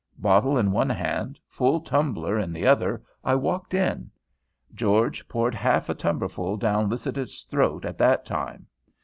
Bottle in one hand, full tumbler in the other, I walked in. George poured half a tumblerful down Lycidas's throat that time.